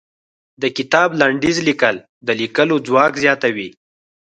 د کتاب لنډيز ليکل د ليکلو ځواک زياتوي.